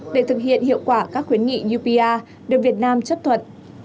để thực hiện hiệu quả các khuyến nghị upr được việt nam chấp thuận